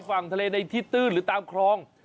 ฝั่งทะเลในที่ตื้นหรือตามคลอง